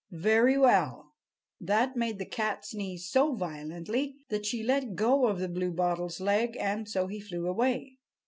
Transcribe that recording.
Very well, that made the cat sneeze so violently that she let go of the Bluebottle's leg, and so he flew away.